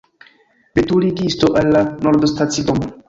Veturigisto, al la Nordastacidomo!